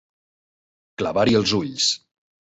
Clavar-hi els ulls.